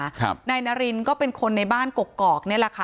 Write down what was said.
จนสนิทกับเขาหมดแล้วเนี่ยเหมือนเป็นส่วนหนึ่งของครอบครัวเขาไปแล้วอ่ะ